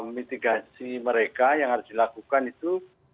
mitigasi mereka yang harus dilakukan itu